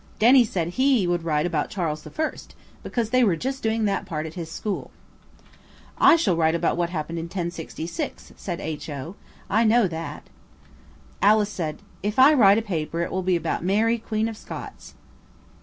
Denny said he would write about Charles the First, because they were just doing that part at his school. "I shall write about what happened in 1066," said H.O. I know that." Alice said, "If I write a paper it will be about Mary Queen of Scots."